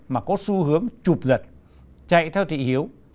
mà có xu hướng trụp giật chạy theo thị hiếu